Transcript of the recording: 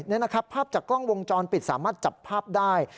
นี่นะครับภาพจากกล้องวงจรปิดสามารถจับภาพได้